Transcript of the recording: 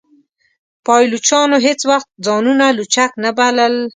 پایلوچانو هیڅ وخت ځانونه لوچک نه بلل.